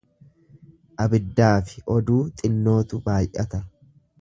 Abiddaafi oduu xinnootu baay'ata.